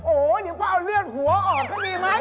โอ้โหเดี๋ยวพ่อเอาเลือดหัวออกก็ดีไหม